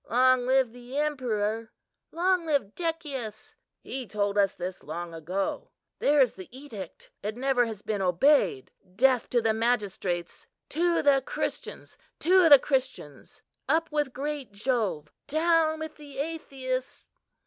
"Long live the emperor! long live Decius! he told us this long ago. There's the edict; it never has been obeyed. Death to the magistrates! To the Christians! to the Christians! Up with great Jove, down with the atheists!"